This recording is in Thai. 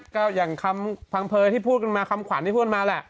ก็อย่างคำพังเลิยที่พูดกันมาคำขวัญที่พูดมาแหละ